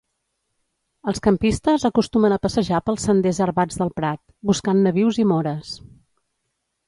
Els campistes acostumen a passejar pels senders herbats del prat, buscant nabius i mores.